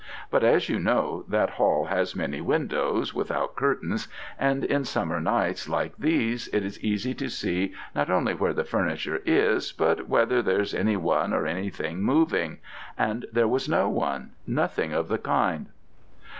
But as you know, that hall has many windows without curtains, and in summer nights like these it is easy to see not only where the furniture is, but whether there's any one or anything moving, and there was no one nothing of the kind.